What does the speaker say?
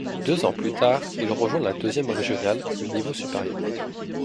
Deux ans plus tard, il rejoint la deuxième régionale, le niveau supérieur.